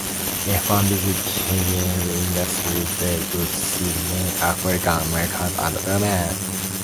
If one visited Higgins Industries, they would see many African Americans and women.